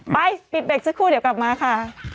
ไปปิดเบรกสักครู่เดี๋ยวกลับมาค่ะ